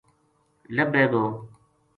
لبھے گو